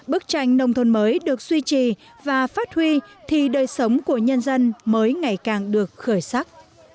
bức tranh nông thôn mới được duy trì và phát huy thì đời sống của nhân dân mới ngày càng được khởi sắc